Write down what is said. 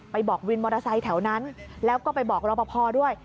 บอกวินมอเตอร์ไซค์แถวนั้นแล้วก็ไปบอกรอปภด้วย